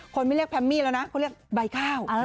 คนไม่เรียกแพมมี่แล้วนะเขาเรียกใบข้าว